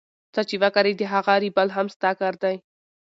څه چي وکرې د هغه رېبل هم ستا کار دئ.